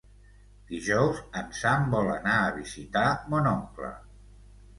Dijous en Sam vol anar a visitar mon oncle.